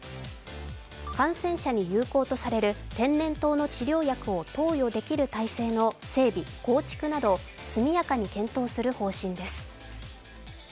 感染者に有効とされる天然痘の治療薬を投与できる体制の整備・構築など速やかに検討する方針です。